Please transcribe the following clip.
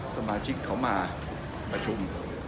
สมาชิกเขามาประชุม